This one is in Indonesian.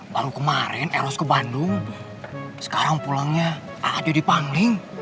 baru kemarin eros ke bandung sekarang pulangnya a a jadi panling